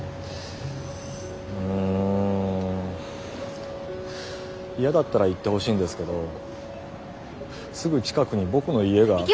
ん嫌だったら言ってほしいんですけどすぐ近くに僕の家が。